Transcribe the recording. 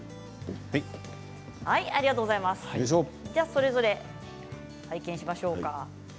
それぞれ拝見しましょうか。